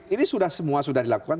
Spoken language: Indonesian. ini sudah semua sudah dilakukan